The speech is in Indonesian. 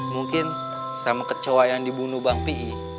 mungkin sama kecewa yang dibunuh bang pi